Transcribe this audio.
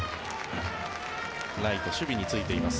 ライト、守備に就いています